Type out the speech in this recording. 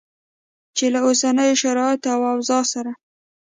چې له اوسنیو شرایطو او اوضاع سره